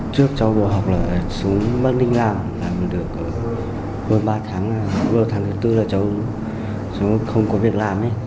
trước cháu vừa học là xuống bắc ninh làm làm được vừa ba tháng vừa tháng thứ tư là cháu không có việc làm